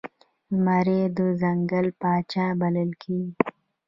زمری د ځنګل پاچا بلل کیږي